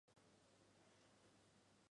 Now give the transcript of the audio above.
有些库瓦赫皮利可以与皇室成员通婚。